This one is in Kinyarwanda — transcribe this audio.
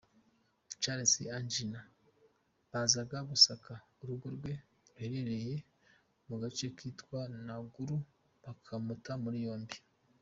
Charles Angina, bazaga gusaka urugo rwe ruherereye mu gace kitwa Naguru bakamuta muri yombi.